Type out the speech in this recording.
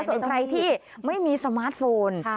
ส่วนใครที่ไม่มีสมาร์ทโฟน